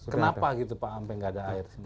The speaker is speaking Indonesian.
kenapa pak sampai tidak ada air